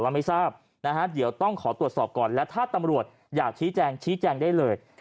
ไม่ทราบนะฮะเดี๋ยวต้องขอตรวจสอบก่อนและถ้าตำรวจอยากชี้แจงชี้แจงได้เลย